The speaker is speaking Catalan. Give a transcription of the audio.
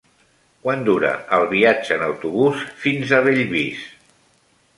Quant dura el viatge en autobús fins a Bellvís?